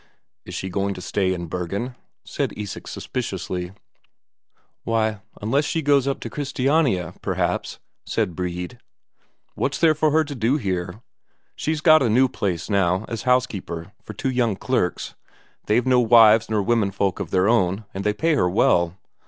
"Is she going to stay in Bergen?" said Isak suspiciously. "Why, unless she goes on to Christiania, perhaps," said Brede. "What's there for her to do here? She's got a new place now, as housekeeper, for two young clerks. They've no wives nor womenfolk of their own, and they pay her well."